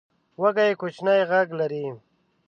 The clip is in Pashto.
وزې کوچنی غږ لري